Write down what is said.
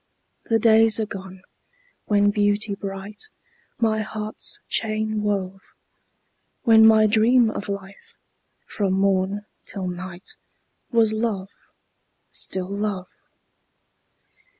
the days are gone, when Beauty bright My heart's chain wove; When my dream of life, from morn till night, Was love, still love.